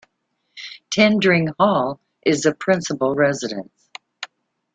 Tendring Hall is the principal residence.